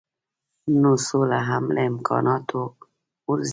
نو سوله هم له امکاناتو غورځي.